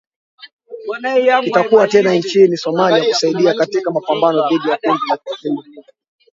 Kitakuwa tena nchini Somalia kusaidia katika mapambano dhidi ya kundi la kigaidi